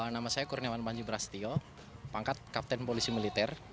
nama saya kurniawan panji brasetio pangkat kapten polisi militer